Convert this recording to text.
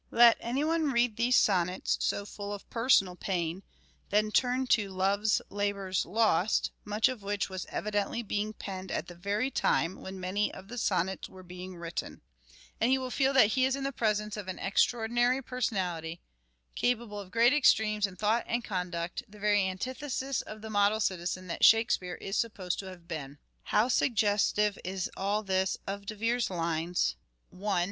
Let any one read these sonnets so full of personal pain, then turn to " Love's Labour's Lost," much of which was evidently being penned at the very time when many of the sonnets were being written, and he will feel that he is in the presence of an extra ordinary personality, capable of great extremes in thought and conduct, the very antithesis of the model citizen that " Shakespeare " is supposed to have been. How suggestive is all this of De Vere's lines : Duality in 1.